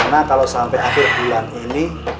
karena kalau sampai akhir bulan ini